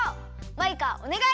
マイカおねがい。